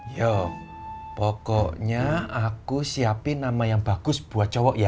ya pokoknya aku siapin nama yang bagus buat cowok ya